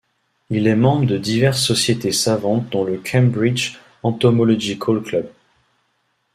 Il est membre de diverses sociétés savantes dont le Cambridge Entomological Club.